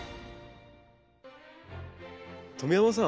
富山さん